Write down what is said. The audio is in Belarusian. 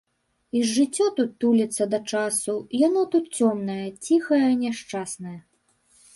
І жыццё тут туліцца да часу, яно тут цёмнае, ціхае, няшчаснае.